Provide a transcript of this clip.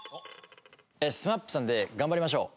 ＳＭＡＰさんで『がんばりましょう』。